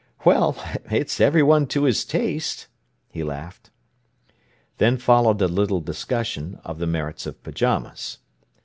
"Well, it's everyone to his taste," he laughed. Then followed a little discussion of the merits of pyjamas.